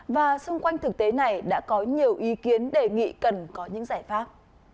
và xung quanh thực tế này đã có nhiều ý kiến đề nghị cần có những giải pháp